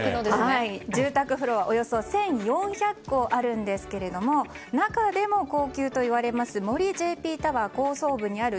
住宅フロア、およそ１４００戸あるんですけれども中でも、高級といわれる森ＪＰタワーの高層部にある